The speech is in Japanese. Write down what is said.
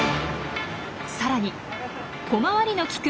さらに小回りの利く